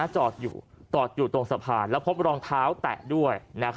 จอดอยู่ตรงสะพานและพบรองเท้าแตะด้วย